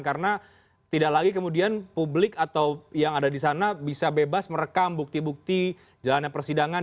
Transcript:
karena tidak lagi kemudian publik atau yang ada di sana bisa bebas merekam bukti bukti jalanan persidangan